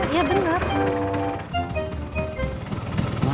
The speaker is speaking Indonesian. iya bener pak